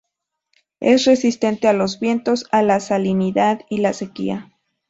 Es resistente a los vientos, a la salinidad y la sequía.